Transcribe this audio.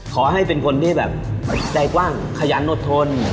ขอให้เป็นคนที่แบบใจกว้างขยันอดทน